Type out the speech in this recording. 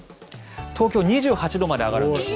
東京、２８度まで上がるんです。